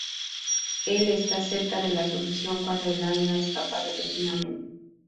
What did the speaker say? Él está cerca de la sucesión cuando Elaine escapa repentinamente.